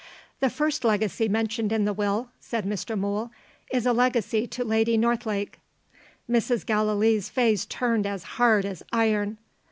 "The first legacy mentioned in the Will," said Mr. Mool, "is a legacy to Lady Northlake." Mrs. Gallilee's face turned as hard as iron.